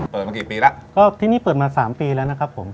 เปิดมากี่ปีแล้วก็ที่นี่เปิดมาสามปีแล้วนะครับผม